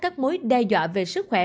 các mối đe dọa về sức khỏe